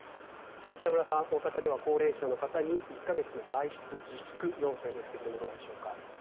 北村さん、大阪では高齢者の方に１か月の外出自粛要請ですがどうでしょうか。